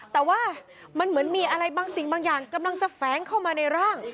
แต่ว่ามันเหมือนมีอะไรบางสิ่งบางอย่างกำลังจะแฝงเข้ามาในร่าง